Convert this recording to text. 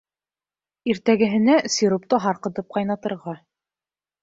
Иртәгәһенә сиропты һарҡытып ҡайнатырға.